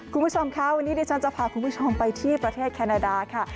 คุณผู้ชมคะวันนี้ดิฉันจะพาคุณผู้ชมไปที่ประเทศแคนาดาค่ะ